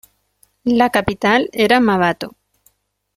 La capital era Mmabatho.